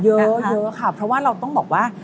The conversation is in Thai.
เยอะเยอะค่ะเพราะว่าเราต้องบอกว่า